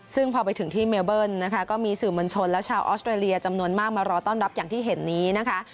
ซึ่งพอไปถึงที่เมลเบิ้ลนะคะก็มีสื่อมวลชนและชาวออสเตรเลียจำนวนมากมารอต้อนรับอย่างที่เห็นนี้นะคะ